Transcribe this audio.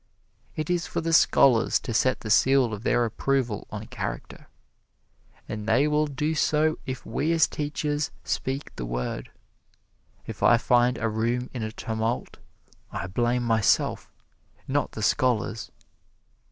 It is for the scholars to set the seal of their approval on character, and they will do so if we as teachers speak the word. If I find a room in a tumult, I blame myself, not the scholars.